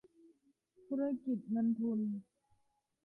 ธุรกิจเงินทุน